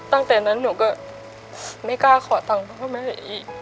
ตั้งแต่นั้นหนูก็ไม่กล้าขอตังค์พ่อแม่อีก